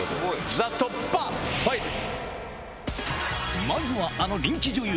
ＴＨＥ突破ファイル！